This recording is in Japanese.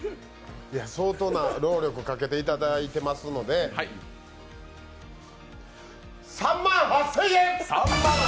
相当な労力かけていただいてますので３万８０００円！